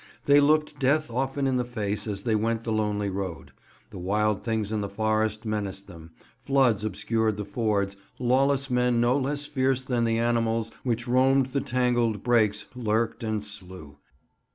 They looked death often in the face as they went the lonely road. The wild things in the forest menaced them, floods obscured the fords, lawless men no less fierce than the animals which roamed the tangled brakes lurked and slew.